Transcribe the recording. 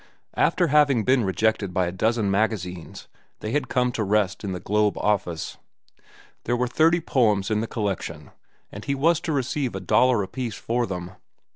After having been rejected by a dozen magazines, they had come to rest in The Globe office. There were thirty poems in the collection, and he was to receive a dollar apiece for them.